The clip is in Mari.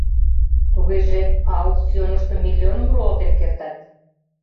— Тугеже, аукционышто миллионым руалтен кертат.